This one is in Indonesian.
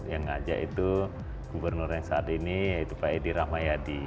yang ngajak itu gubernur yang saat ini yaitu pak edi rahmayadi